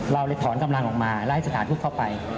เราเลยถอนกำลังออกมาแล้วให้สถานทุกข์เข้าไป